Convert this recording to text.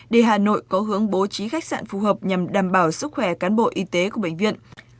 để hà nội có hướng bố trí khách sạn phù hợp nhằm đảm bảo sức khỏe cán bộ y tế của bệnh viện